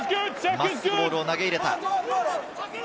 真っすぐボールを投げ入れた。